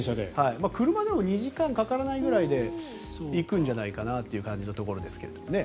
車でも２時間かからないくらいで行くんじゃないかなっていう感じのところですけどね。